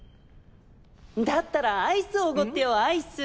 だったらアイス奢ってよアイス。